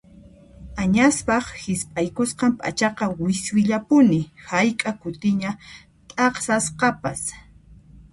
Añaspaq hisp'aykusqan p'achaqa wiswillapuni hayk'a kutiña t'aqsasqapas.